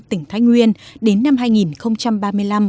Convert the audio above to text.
tỉnh thái nguyên đến năm hai nghìn ba mươi năm